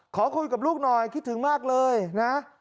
ขอคุยกับลูกหน่อยคิดถึงมากเลยนะ